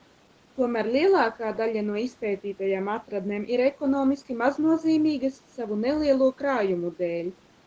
Tomēr lielākā daļa no izpētītajām atradnēm ir ekonomiski maznozīmīgas savu nelielo krājumu dēļ.